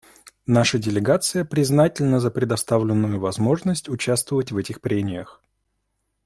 Наша делегация признательна за предоставленную возможность участвовать в этих прениях.